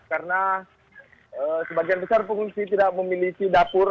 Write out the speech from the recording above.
karena sebagian besar pengungsi tidak memiliki dapur